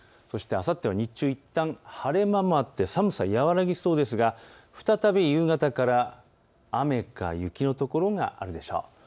そしてあさっては日中、いったん晴れ間もあって寒さは和らぎそうですが再び夕方から雨か雪の所があるでしょう。